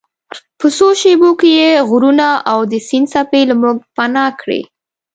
په څو شیبو کې یې غرونه او د سیند څپې له موږ پناه کړې.